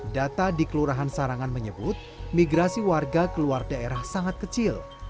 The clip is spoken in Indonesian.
data di kelurahan sarangan menyebut migrasi warga keluar daerah sangat kecil